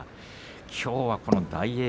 きょうはこの大栄